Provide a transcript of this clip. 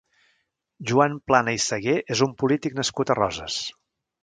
Joan Plana i Sagué és un polític nascut a Roses.